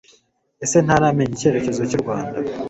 ese ntaramenya icyerekezo cy'u rwanda.